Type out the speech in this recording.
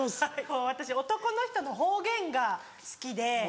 私男の人の方言が好きで。